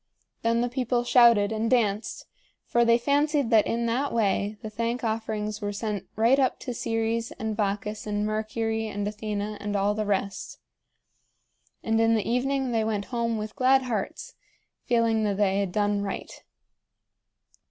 Then the people shouted and danced, for they fancied that in that way the thank offerings were sent right up to Ceres and Bacchus and Mercury and Athena and all the rest. And in the evening they went home with glad hearts, feeling that they had done right.